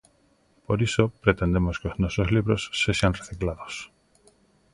Por iso, pretendemos que os nosos libros sexan reciclados.